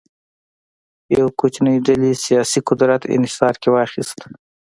یوه کوچنۍ ډلې سیاسي قدرت انحصار کې واخیست.